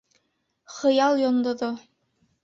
Хыял йондоҙо!